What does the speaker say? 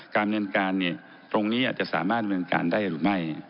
การเป็นปาร์นที่ตรงนี้อาจจะสามารถดำเนียนการได้หรือไม่